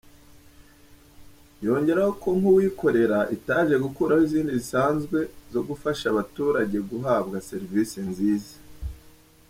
Yongeraho ko Nk’uwikorera itaje gukuraho izindi zisanzwe zo gufasha abaturage guhabwa servisi nziza.